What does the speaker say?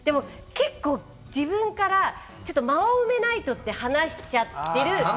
自分から間を埋めないとって話しちゃう。